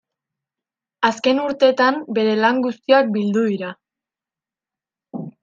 Azken urtetan bere lan guztiak bildu dira.